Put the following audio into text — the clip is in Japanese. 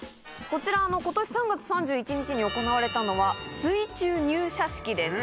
こちら、ことし３月３１日に行われたのは、水中入社式です。